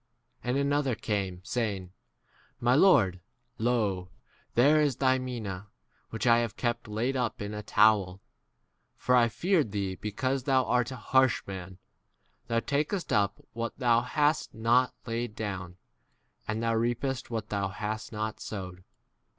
And another came, saying, [My] Lord, lo, [there is] thy mina, which I have kept laid up in a towel. 21 For I feared thee because thou art a harsh man : thou takest up what thou hast not laid down, and thou reapest what thou hast not 22 sowed.